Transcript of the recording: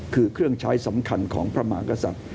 คือเครื่องใช้สำคัญของพระมหากษัตริย์